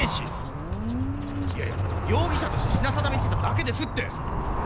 ほーいやいや容疑者として品定めしてただけですって！